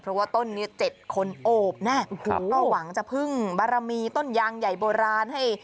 เพราะว่าต้นนี้๗คนโอบแน่ก็หวังจะพึ่งบารมีต้นยางใหญ่โบราณให้